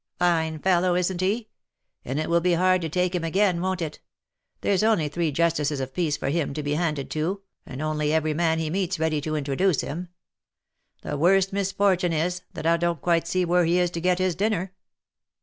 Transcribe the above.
Fine fellow, isn't he? It will be mighty hard to take him again, won't it ? There's only three justices of peace for him to be handed to, and only every man he meets ready to introduce him. The worst misfortune is, that I don't quite see where he is to get his dinner."